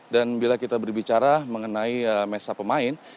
bila kita berbicara mengenai mesa pemain